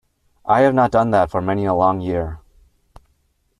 I have not done that for many a long year!